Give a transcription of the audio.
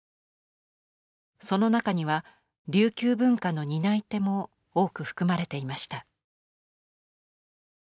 その中には琉球文化の担い手も多く含まれていました。